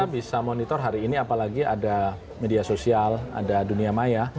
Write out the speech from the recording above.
kita bisa monitor hari ini apalagi ada media sosial ada dunia maya